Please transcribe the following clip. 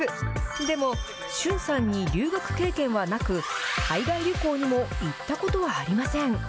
でも、駿さんに留学経験はなく海外旅行にも行ったことはありません。